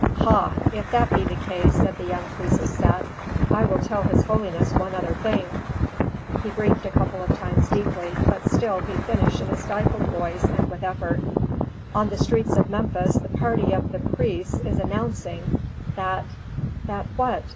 "Ha! if that be the case," said the young priest of Set, "I will tell his holiness one other thing." He breathed a couple of times deeply, but still he finished in a stifled voice and with effort. "On the streets of Memphis the party of the priests is announcing, that " "That what?